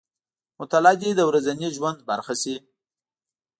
مطالعه دې د ورځني ژوند برخه شي.